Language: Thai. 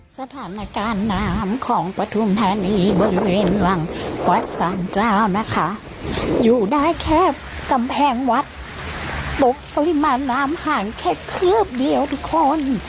สถานการณ์น้ำของปฐุมธานีบริเวณหลังวัดสารเจ้านะคะอยู่ได้แค่กำแพงวัดพบปริมาณน้ำห่างแค่คืบเดียวทุกคน